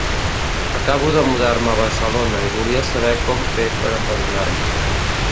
Acabo de mudar-me a Barcelona, i volia saber com fer per empadronar-me.